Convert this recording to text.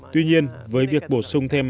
tuy nhiên với việc bổ sung thêm